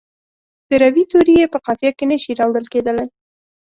د روي توري یې په قافیه کې نه شي راوړل کیدلای.